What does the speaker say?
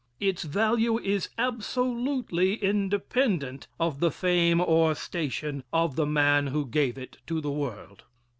Its value is absolutely independent of the fame or station of the man who gave it to the world.